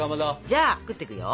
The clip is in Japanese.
じゃあ作ってくよ。